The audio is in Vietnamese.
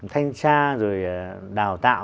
thanh tra rồi đào tạo